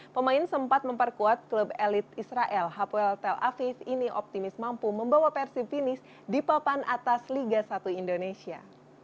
pemain sempat memperkuat klub elit israel hapuel tel aviv ini optimis mampu membawa persib finish di papan atas liga satu indonesia